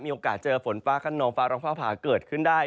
มีโอกาสเจอฝนฟ้าขนองฟ้าร้องฟ้าผ่าเกิดขึ้นได้